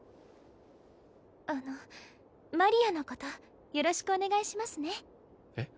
あのマリアのことよろしくお願いしますねえっ？